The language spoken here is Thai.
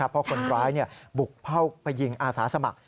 เพราะคนร้ายบุกเข้าไปยิงอาสาสมัคร